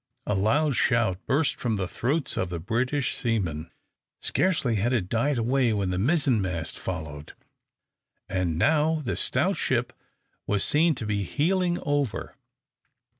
A loud shout burst from the throats of the British seamen. Scarcely had it died away when the mizen mast followed; and now the stout ship was seen to be heeling over.